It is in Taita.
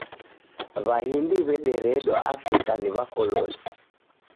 W'ahindi w'ederedwa Afrika ni W'akoloni